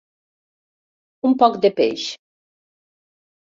Un poc de peix.